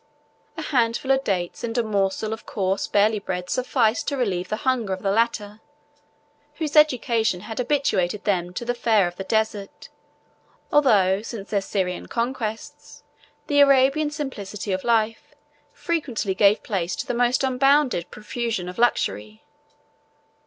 A handful of dates and a morsel of coarse barley bread sufficed to relieve the hunger of the latter, whose education had habituated them to the fare of the desert, although, since their Syrian conquests, the Arabian simplicity of life frequently gave place to the most unbounded profusion of luxury.